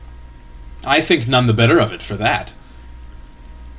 ""I think none the better of it for that.""